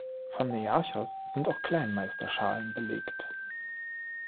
Von Nearchos sind auch Kleinmeister-Schalen belegt.